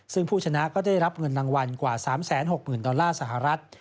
ซึ่งผู้ชนะก็ได้รับเงินรางวัลกว่า๓๖๐๐๐ดอลลาร์สหรัฐ